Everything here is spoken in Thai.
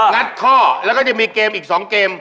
งัดท่อแล้วก็ยังมีเกมอีก๒เกม